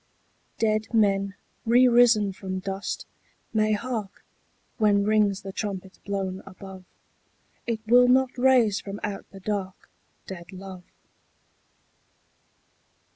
Dead men, re risen from dust, may hark When rings the trumpet blown above: It will not raise from out the dark Dead love.